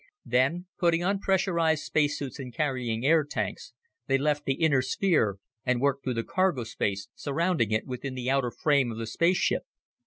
Then, putting on pressurized space suits and carrying air tanks, they left the inner sphere and worked through the cargo space surrounding it within the outer frame of the spaceship.